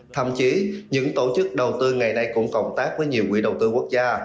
thậm chí những tổ chức đầu tư ngày nay cũng cộng tác với nhiều quỹ đầu tư quốc gia